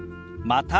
また。